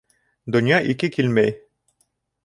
Донъя ике килмәй.